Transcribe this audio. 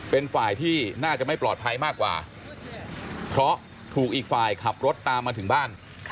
เป็นฝ่ายที่น่าจะไม่ปลอดภัยมากกว่าเพราะถูกอีกฝ่ายขับรถตามมาถึงบ้าน